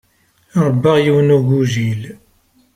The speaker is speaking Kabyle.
Ṛebbaɣ yiwen n ugujil.